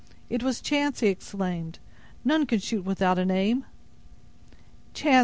"It was chance!" he exclaimed; "none can shoot without an aim!" "Chance!"